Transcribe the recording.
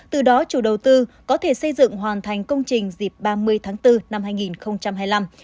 từ đó chủ đầu tư có thể xây dựng hoàn thành công trình dịp ba mươi tháng bốn năm hai nghìn hai mươi năm